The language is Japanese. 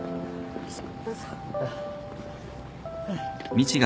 よいしょ。